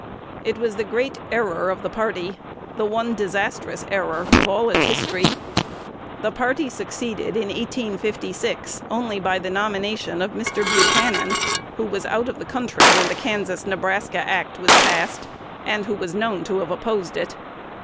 It was the great error of the party, the one disastrous error of all its history. The party succeeded in 1856 only by the nomination of Mr. Buchanan, who was out of the country when the Kansas Nebraska Act was passed, and who was known to have opposed it.